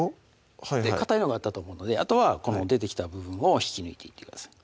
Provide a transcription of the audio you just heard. はいはいかたいのがあったと思うのであとはこの出てきた部分を引き抜いていってください